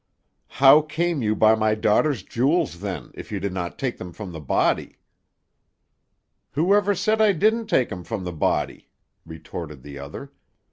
"How came you by my daughter's jewels, then, if you did not take them from the body?" "Who ever said I didn't take 'em from the body?" retorted the other.